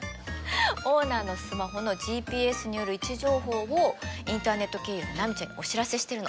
オーナーのスマホのＧＰＳによる位置情報をインターネット経由で波ちゃんにお知らせしてるの。